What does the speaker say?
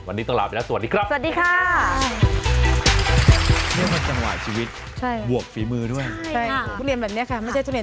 วันนี้ต้องลาไปนะสวัสดีครับ